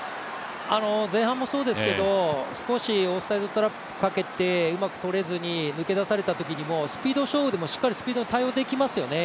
前半もそうですけど少しオフサイドトラップかけてうまくとれずに抜け出されたときにもスピード勝負でもしっかりスピードに対応できますよね、